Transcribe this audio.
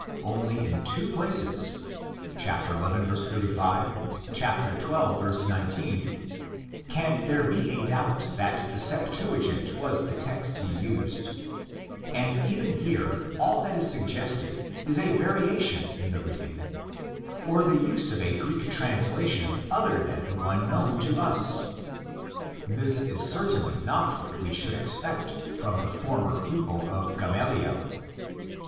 Only in two places (xi. 85, xii. 19) can there be a doubt that the Septuagint was the text he used; and even here all that is suggested is a variation in the reading, or the use of a Greek translation other than the one known to us. This is certainly not what we should expect from the former pupil of Gamaliel.